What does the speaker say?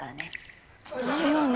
だよね。